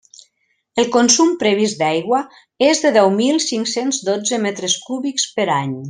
El consum previst d'aigua és de deu mil cinc-cents dotze metres cúbics per any.